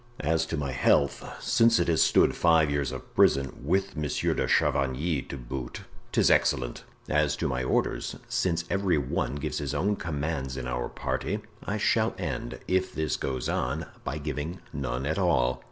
"As to my health, since it has stood five years of prison, with Monsieur de Chavigny to boot, 'tis excellent! As to my orders, since every one gives his own commands in our party, I shall end, if this goes on, by giving none at all."